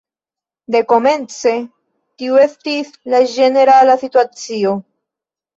Dekomence tiu estis la ĝenerala situacio.